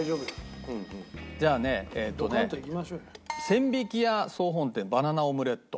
千疋屋総本店バナナオムレット。